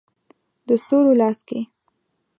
د ستورو لاس کې